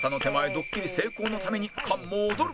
ドッキリ成功のために菅も踊る！